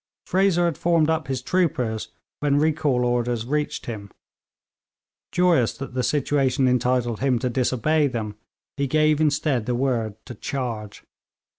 Fraser had formed up his troopers when recall orders reached him. Joyous that the situation entitled him to disobey them, he gave instead the word to charge.